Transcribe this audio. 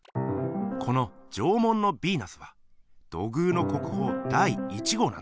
この「縄文のビーナス」は土偶の国宝第１号なんだ！